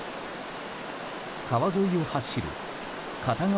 川沿いを走る片側